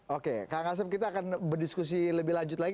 oke kak kasem kita akan berdiskusi lebih lanjut lagi